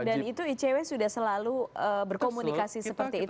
dan itu icw sudah selalu berkomunikasi seperti itu